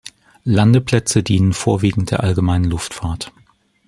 Landeplätze dienen vorwiegend der Allgemeinen Luftfahrt.